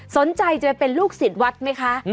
สนใจจะไปเป็นลูกศิษย์วัดไหมคะ